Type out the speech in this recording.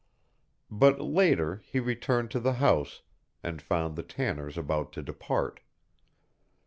But later he returned to the house, and found the Tanners about to depart.